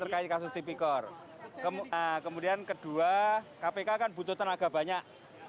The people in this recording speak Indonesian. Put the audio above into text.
kemudian kedua kpk kan butuh tenaga banyak